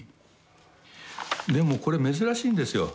でもこれ珍しいんですよ。